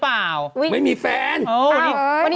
แฟนให้ไปหรือเปล่า